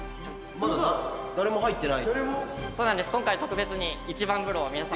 まだ誰も入ってない。